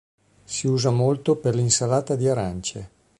Si usa molto per l'insalata di arance.